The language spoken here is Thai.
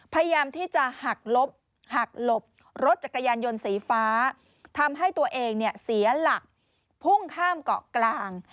พยายามที่จะหักลบหักหลบรถจักรยานยนต์สีฟ้าทำให้ตัวเองเนี่ยเสียหลักพุ่งข้ามเกาะกลาง